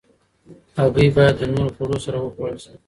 هګۍ باید له نورو خوړو سره وخوړل شي.